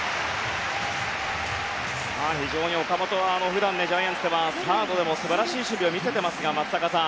非常に岡本は普段ジャイアンツではサードでも素晴らしい守備を見せていますが松坂さん。